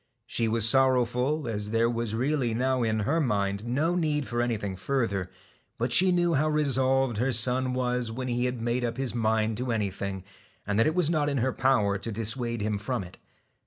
She was sorrowful, as there was really now in her mind no need for anything further; but she knew how resolved her son was when he had made up his mind to anything, and that it was not in her power to dissuade him from it.